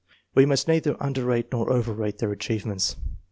We must neither underrate nor overrate their achievements.